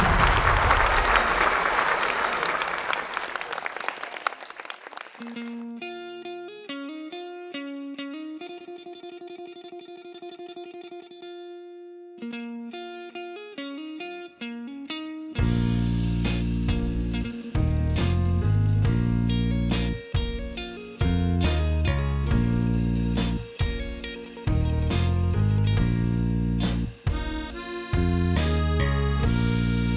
และนี้นะครับ